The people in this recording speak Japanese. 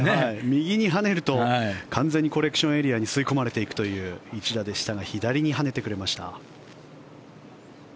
右に跳ねると完全にコレクションエリアに吸い込まれていくという一打でしたが左に跳ねてくれました。